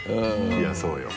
いやそうよ。